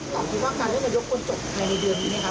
ถามถึงว่าการและจริงของยกกลปันจบทันทีเดือนนี้ครับ